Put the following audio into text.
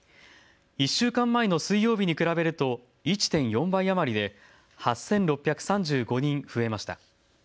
１週間前の水曜日に比べると１．４倍余りで８６３５人増えました。